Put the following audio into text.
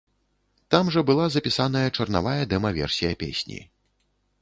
Там жа была запісаная чарнавая дэма-версія песні.